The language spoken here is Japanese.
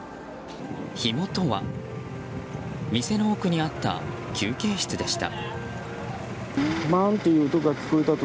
火元は、店の奥にあった休憩室でした。